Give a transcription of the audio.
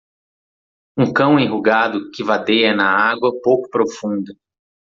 Um cão enrugado que vadeia na água pouco profunda.